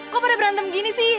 kok pada berantem gini sih